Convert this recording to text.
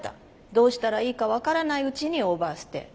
どうしたらいいか分からないうちにオーバーステイ。